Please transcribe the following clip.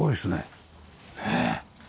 ねえ。